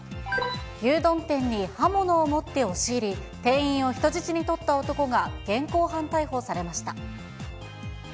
牛丼店に刃物を持って押し入り、店員を人質にとった男が、現行犯逮捕されました。